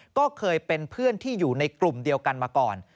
ก็เคยเป็นเพื่อนที่อยู่ในกลุ่มเดียวกันมาก่อน